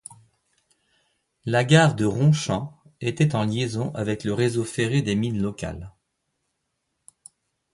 La gare de Ronchamp était en liaison avec le réseau ferré des mines locales.